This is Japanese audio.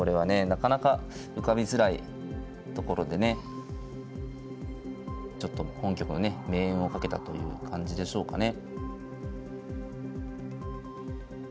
なかなか浮かびづらいところでねちょっと本局のね命運をかけたという感じでしょうかね。